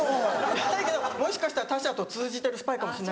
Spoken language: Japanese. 言わないけどもしかしたら他社と通じてるスパイかもしれない。